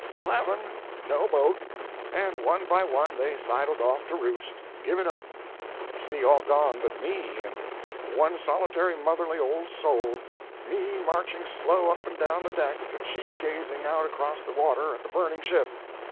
Eleven—no boat; and one by one they sidled off to roost—give it up, you see all gone but me and one solitary motherly old soul—me marching slow up and down the deck and she gazing out across the water at the burning ship.